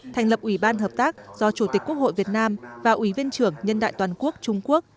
thành lập ủy ban hợp tác do chủ tịch quốc hội việt nam và ủy viên trưởng nhân đại toàn quốc trung quốc